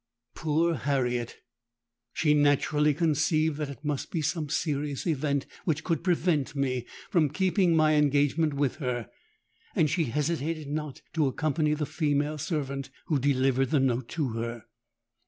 _'—Poor Harriet! she naturally conceived that it must be some serious event which could prevent me from keeping my engagement with her; and she hesitated not to accompany the female servant who delivered the note to her.